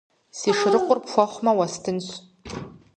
Си шырыкъур пхуэхъумэ, уэстынщ.